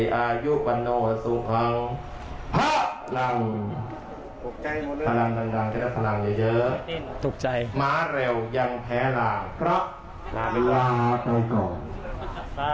เปลี่ยนยามมากี่แล้วครับสิครับฮ่าครับผู่นั่นอาจารย์ขอบคุณครับ